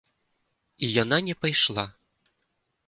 І яна не пайшла.